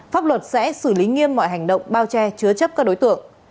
pháp luật sẽ xử lý nghiêm mọi hành động bao che chứa chấp các đối tượng